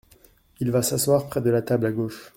Il va s’asseoir près de la table, à gauche.